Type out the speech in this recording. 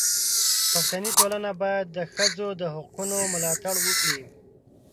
پښتني ټولنه باید د ښځو د حقونو ملاتړ وکړي.